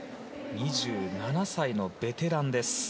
２７歳のベテランです。